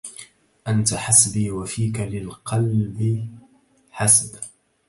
أنت حسبي وفيك للقلب حسب